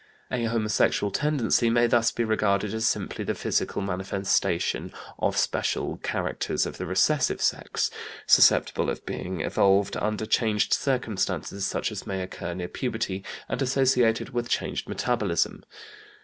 A homosexual tendency may thus be regarded as simply the psychical manifestation of special characters of the recessive sex, susceptible of being evolved under changed circumstances, such as may occur near puberty, and associated with changed metabolism.